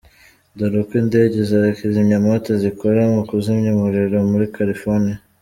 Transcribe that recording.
Dore uko indege za kizimyamoto zikora mu kuzimya umuriro muri California.